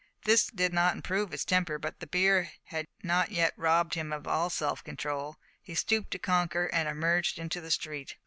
This did not improve his temper, but the beer had not yet robbed him of all self control; he stooped to conquer and emerged into the street.